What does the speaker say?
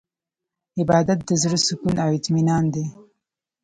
عبادت د زړه سکون او اطمینان دی.